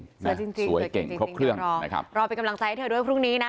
จริงจริงสวยเก่งครบเครื่องนะครับรอเป็นกำลังใจให้เธอด้วยพรุ่งนี้นะ